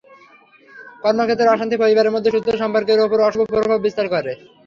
কর্মক্ষেত্রের অশান্তি পরিবারের মধ্যে সুস্থ সম্পর্কের ওপর অশুভ প্রভাব বিস্তার করে।